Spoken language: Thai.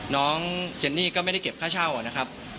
น้องเจนนี่ก็ไม่ได้เก็บค่าเช่านะครับ